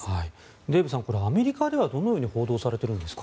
デーブさんこれ、アメリカではどのように報道されているんですか？